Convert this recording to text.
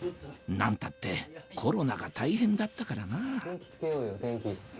何たってコロナが大変だったからなぁ